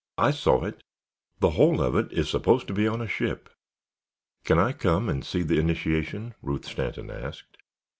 I saw it—the whole of it is supposed to be on a ship." "Can I come and see the initiation?" Ruth Stanton asked.